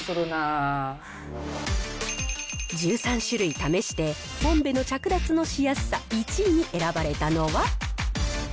１３種類試して、ボンベの着脱のしやすさ１位に選ばれたのは。